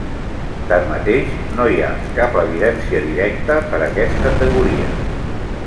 Tanmateix, no hi ha cap evidència directa per aquesta teoria.